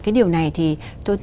cái điều này thì tôi